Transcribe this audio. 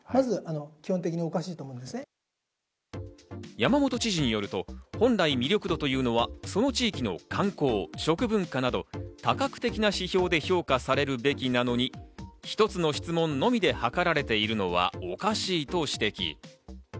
山本知事によると、本来、魅力度というのは、その地域の観光、食文化など多角的な指標で評価されるべきなのに一つの質問のみで図られているのはおかしいと指摘。